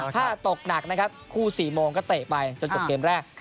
ถ้าตกหนักนะครับคู่๔โมงก็เตะไปจนจบเกมแรก